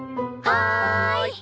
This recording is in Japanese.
はい。